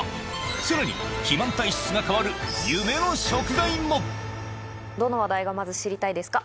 さらに肥満体質が変わる夢の食材もどの話題がまず知りたいですか？